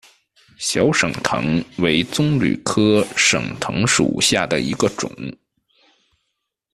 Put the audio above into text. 小省藤为棕榈科省藤属下的一个种。